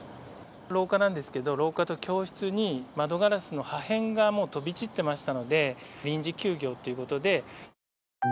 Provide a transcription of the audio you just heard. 廊下なんですけど、廊下と教室に窓ガラスの破片がもう飛び散ってましたので、臨時休業っていうことで。